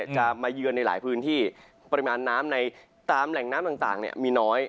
จะมาเยือนในหลายพื้นที่ปริมาณน้ำในตามแหล่งน้ำต่างมีน้อย